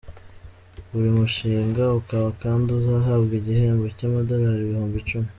Buri mushinga ukaba kandi uzahabwa igihembo cy’Amadorari ibihumbi icumi.